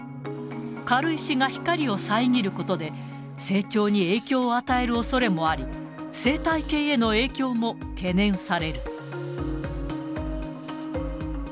軽石が光を遮ることで、成長に影響を与えるおそれもあり、生態系への影響も懸念される。